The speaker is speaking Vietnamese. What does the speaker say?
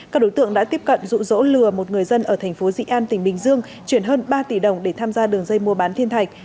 các đối tượng đã tiếp cận dụ dỗ lừa một người dân ở tp diện an tp bình dương chuyển hơn ba tỷ đồng để tham gia đường dây mua bán thiên thạch